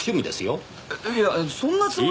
えっいやそんなつもりは。